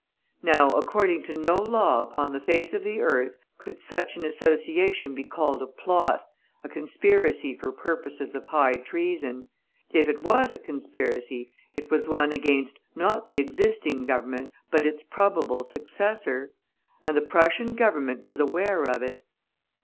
Now, according to no law upon the face of the earth, could such an Association be called a plot, a conspiracy for purposes of high treason. If it was a conspiracy, it was one against, not the existing Government, but its probable successor. And the Prussian Government was aware of it.